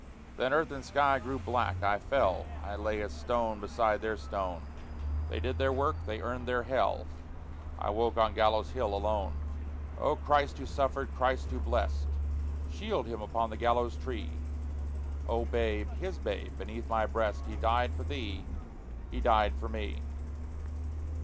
Then earth and sky grew black, I fell I lay as stone beside their stone. They did their work. They earned their Hell. I woke on Gallows Hill, alone. Oh Christ who suffered, Christ who blessed, Shield him upon the gallows tree! O babe, his babe, beneath my breast, He died for thee! he died for me!